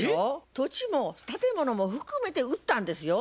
土地も建物も含めて売ったんですよ。